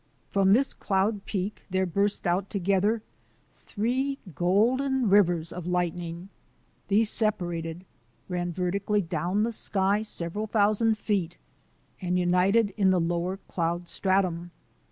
From this cloud peak there burst out together three golden rivers of light 136 THE ADVENTURES OF A NATURE GUIDE ning. These separated, ran vertically down the sky several thousand feet, and united in the lower cloud stratum.